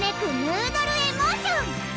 ヌードル・エモーション！